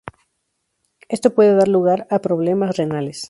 Esto puede dar lugar a problemas renales.